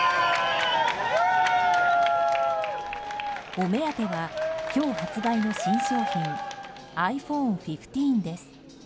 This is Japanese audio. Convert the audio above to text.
お目当ては今日発売の新商品ｉＰｈｏｎｅ１５です。